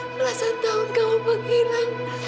belasan tahun kamu menghilang